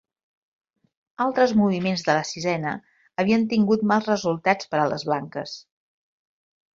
Altres moviments de la sisena havien tingut mals resultats per a les blanques.